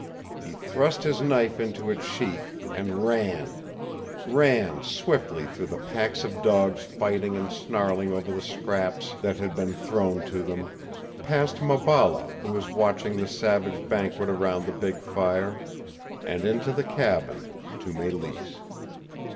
He thrust his knife into its sheath and ran ran swiftly through the packs of dogs fighting and snarling over the scraps that had beep thrown to them; past Maballa who was watching the savage banquet around the big fire, and into the little cabin, to Mélisse.